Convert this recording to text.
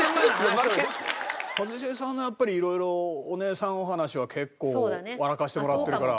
一茂さんのやっぱり色々お姉さんお話は結構笑かしてもらってるから。